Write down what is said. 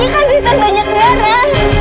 ini kan bisa banyak darah